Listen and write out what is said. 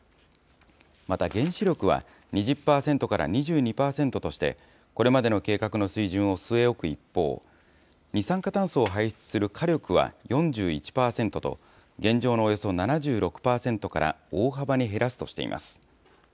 また原子力は、２０％から２２％として、これまでの計画の水準を据え置く一方、二酸化炭素を排出する火力は４１％と、現状のおよそ７６％から大幅に減らすとしています。